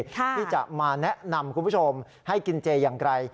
ที่จะมาแนะนำคุณผู้ชมให้กินเจอย่างไกล